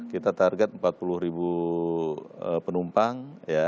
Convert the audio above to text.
kita target empat puluh ribu penumpang